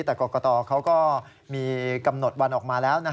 แต่กรกตเขาก็มีกำหนดวันออกมาแล้ว